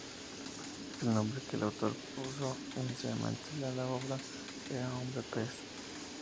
El nombre que el autor le puso inicialmente a la obra era "Hombre Pez".